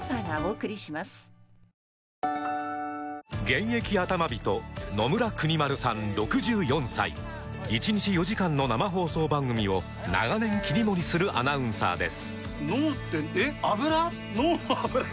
現役アタマ人野村邦丸さん６４歳１日４時間の生放送番組を長年切り盛りするアナウンサーです